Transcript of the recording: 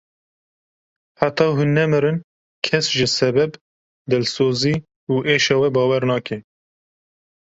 Heta hûn nemirin kes ji sebeb, dilsozî û êşa we bawer nake.